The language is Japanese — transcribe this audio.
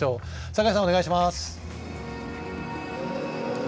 酒井さん、お願いします。